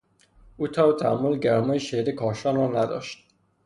او تاب تحمل گرمای شدید کاشان را نداشت.